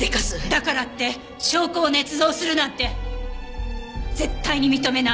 だからって証拠を捏造するなんて絶対に認めない！